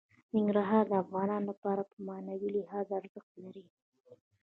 ننګرهار د افغانانو لپاره په معنوي لحاظ ارزښت لري.